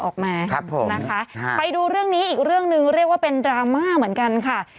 ก็เรียกว่าเป็นดราม่าเหมือนกันค่ะ